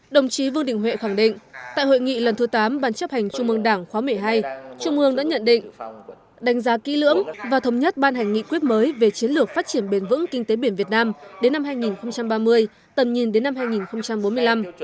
đồng chí vương đình huệ khẳng định tại hội nghị lần thứ tám ban chấp hành trung mương đảng khóa một mươi hai trung ương đã nhận định đánh giá kỹ lưỡng và thống nhất ban hành nghị quyết mới về chiến lược phát triển bền vững kinh tế biển việt nam đến năm hai nghìn ba mươi tầm nhìn đến năm hai nghìn bốn mươi năm